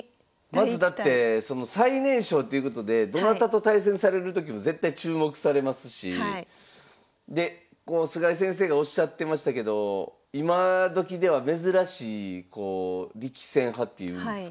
まずだって最年少っていうことでどなたと対戦されるときも絶対注目されますしで菅井先生がおっしゃってましたけど今どきでは珍しい力戦派っていうんですか？